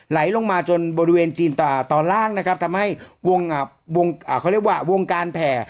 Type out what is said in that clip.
ไหลลงมาจนบริเวณจีนตอนล่างนะครับทำให้วงเขาเรียกว่าวงการแผ่